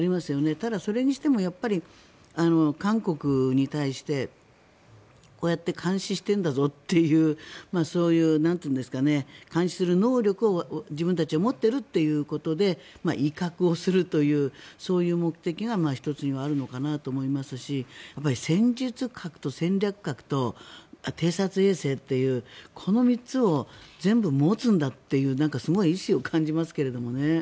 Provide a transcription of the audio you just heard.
ただ、それにしても韓国に対してこうやって監視しているんだぞという監視する能力を自分たちは持っているということで威嚇をするというそういう目的が１つにはあるのかなと思いますしやっぱり戦術核と戦略核と偵察衛星っていうこの３つを全部持つんだというすごい意思を感じますけどね。